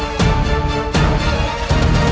aku akan mencari dia